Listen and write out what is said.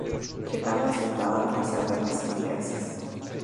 Llegada situada al Paseo de los Ingleses.